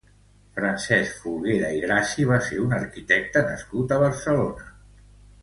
Francesc Folguera i Grassi va ser un arquitecte nascut a Barcelona.